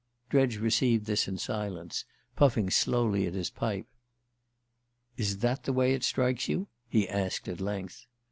Dredge received this in silence, puffing slowly at his pipe. "Is that the way it strikes you?" he asked at length.